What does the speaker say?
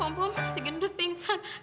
ya ampun pompom masih gendut pingsan